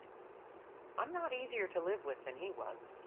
I'm not easier to live with than he was.